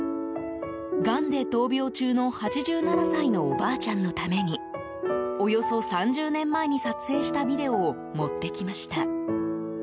がんで闘病中の８７歳のおばあちゃんのためにおよそ３０年前に撮影したビデオを持ってきました。